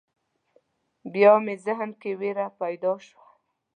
بیا مې ذهن کې وېره پیدا شوه.